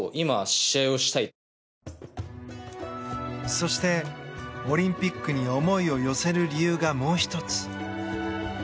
そして、オリンピックに思いを寄せる理由がもう１つ。